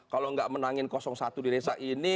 kalau nggak menangin satu di desa ini